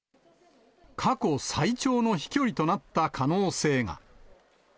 過去最長の飛距離となった可能性が。